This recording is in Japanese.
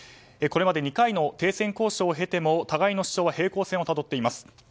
これまで２回の停戦交渉を経ても互いの主張は平行線をたどっています。